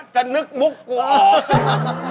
จะนึกมุกกูออก